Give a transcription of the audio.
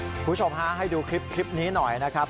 คุณผู้ชมฮะให้ดูคลิปนี้หน่อยนะครับ